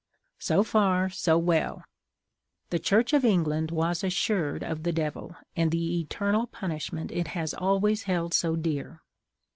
So far, so well; the Church of England was assured of the Devil and the eternal punishment it has always held so dear.